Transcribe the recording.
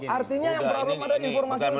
artinya yang berat berat informasi